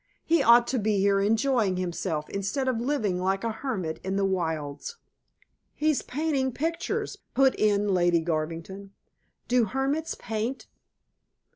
"He ought to be here enjoying himself instead of living like a hermit in the wilds." "He's painting pictures," put in Lady Garvington. "Do hermits paint?"